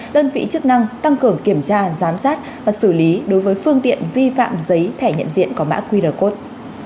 đơn vị chức năng tăng cường kiểm tra giám sát và xử lý đối với phương tiện vi phạm giấy thẻ nhận diện có mã qr code